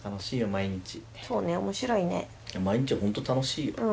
毎日本当楽しいよ。